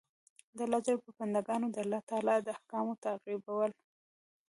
د الله ج په بندګانو د الله تعالی د احکام تطبیقول.